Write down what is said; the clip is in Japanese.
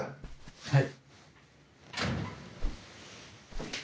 はい。